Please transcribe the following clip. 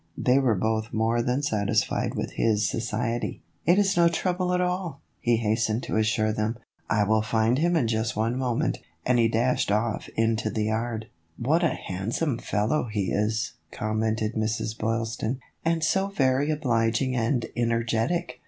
They were both more than satisfied with his society. " It is no trouble at all," he hastened to assure them. " I will find him in just one moment," and he dashed off into the yard. 136 THE EVOLUTION OF A BONNET. " What a handsome fellow he is !" commented Mrs. Boylston ;" and so very obliging and energetic.